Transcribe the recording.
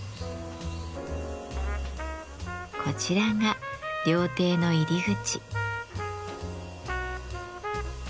こちらが料亭の入り口。